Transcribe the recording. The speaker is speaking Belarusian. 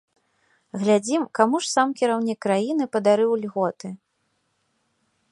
Глядзім, каму ж сам кіраўнік краіны падарыў льготы.